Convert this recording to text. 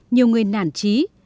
nhiều người nản trí